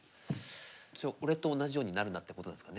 俺と同じようになるなってことなんですかね？